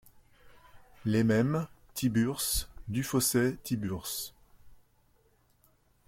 Les Mêmes, Tiburce, Dufausset Tiburce .